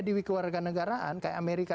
diwi kewarganegaraan kayak amerika